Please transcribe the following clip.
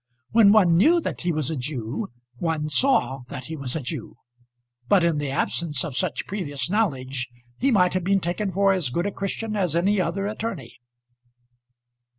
When one knew that he was a Jew one saw that he was a Jew; but in the absence of such previous knowledge he might have been taken for as good a Christian as any other attorney.